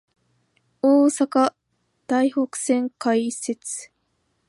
大阪・台北線開設